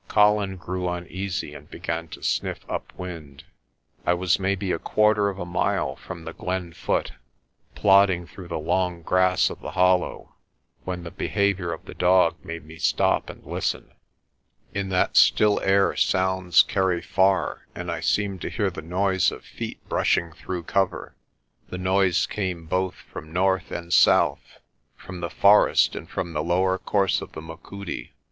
Colin grew uneasy and began to sniff upwind. I was maybe a quarter of a mile from the glen foot, plodding through the long grass of the hollow, when the behaviour of the dog made me stop and listen. In that COLLAR OF PRESTER JOHN 177 still air sounds carry far and I seemed to hear the noise of feet brushing through cover. The noise came both from north and south, from the forest and from the lower course of the Machudi.